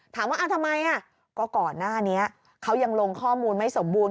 ถามว่าทำไมก็ก่อนหน้านี้เขายังลงข้อมูลไม่สมบูรณ